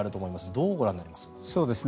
どうご覧になりますか？